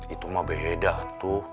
itu mah beda tuh